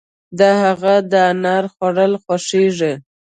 د هغه د انار خوړل خوښيږي.